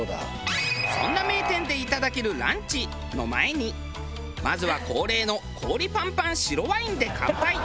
そんな名店でいただけるランチの前にまずは恒例の氷パンパン白ワインで乾杯。